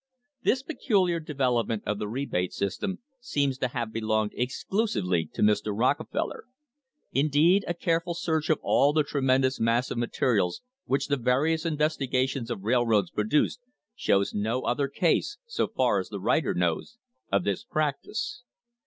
This peculiar development of the rebate system seems to have belonged exclusively to Mr. Rockefeller. Indeed, a careful search of all the tremendous mass of materials which the various investigations of railroads produced shows no other case so far as the writer knows of this practice.